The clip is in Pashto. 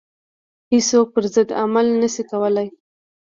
هیڅوک پر ضد عمل نه شي کولای.